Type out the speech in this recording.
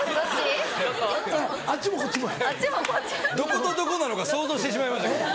どことどこなのか想像してしまいました。